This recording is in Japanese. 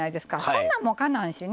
そんなんもうかなんしね。